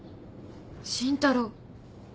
慎太郎。